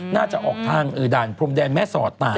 น่าจะออกทางด่านพรมแดนแม่สอดตาย